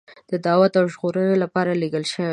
د دعوت او ژغورنې لپاره لېږل شوی.